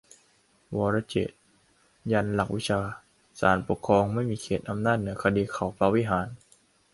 'วรเจตน์' ยันหลักวิชา ศาลปกครองไม่มีเขตอำนาจเหนือคดีเขาพระวิหาร